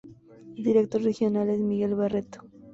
El Director Regional es Miguel Barreto.